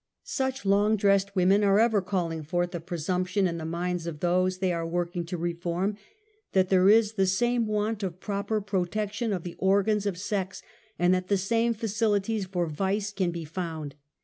Such long dressed women are ever calling forth a presumption in the minds of those they are working to reform, that there is the same want of proper protection of the organs of sex, and that the same facilities for vice can be found.